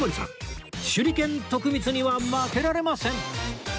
手裏剣徳光には負けられません